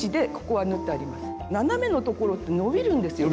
斜めのところって伸びるんですよ。